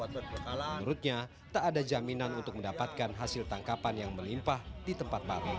menurutnya tak ada jaminan untuk mendapatkan hasil tangkapan yang melimpah di tempat baru